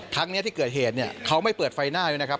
ทั้งนี้ที่เกิดเหตุเนี่ยเขาไม่เปิดไฟหน้าเลยนะครับ